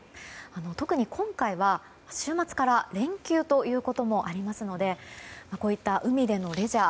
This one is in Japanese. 特に今回は、週末から連休ということもありますのでこういった海でのレジャー